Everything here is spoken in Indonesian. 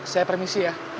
saya permisi ya